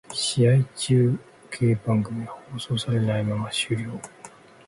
試合中継番組は放送されないまま終了